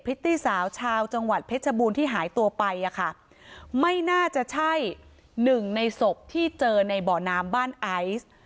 ิตตี้สาวชาวจังหวัดเพชรบูรณ์ที่หายตัวไปอ่ะค่ะไม่น่าจะใช่หนึ่งในศพที่เจอในบ่อน้ำบ้านไอซ์